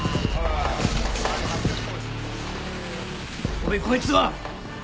おいこいつは？